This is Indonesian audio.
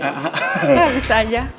ya bisa aja